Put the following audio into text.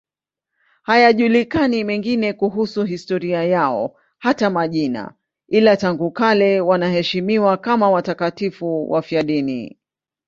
Hayajulikani mengine kuhusu historia yao, hata majina, ila tangu kale wanaheshimiwa kama watakatifu wafiadini.